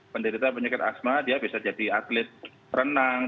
penderita penyakit asma dia bisa jadi atlet renang